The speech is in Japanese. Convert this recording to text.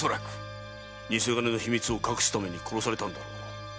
偽金の秘密を隠すために殺されたんだろう。